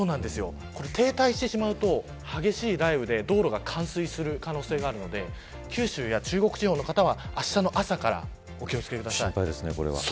停滞してしまうと激しい雷雨で道路が冠水する可能性があるので九州や中国地方の方はあしたの朝から心配ですね。